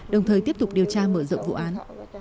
đồng thời tiếp tục điều tra mở rộng vụ án